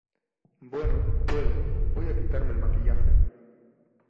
bueno, puede. voy a quitarme el maquillaje .